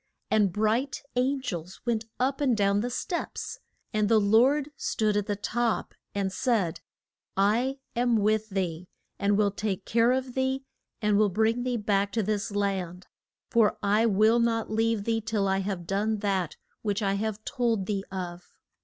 And bright an gels went up and down the steps. And the Lord stood at the top, and said, I am with thee, and will take care of thee, and will bring thee back to this land, for I will not leave thee till I have done that which I have told thee of.